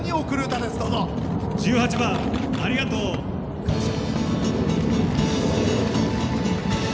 １８番「ありがとう感謝」。